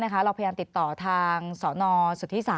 อันดับสุดท้ายแก่มือ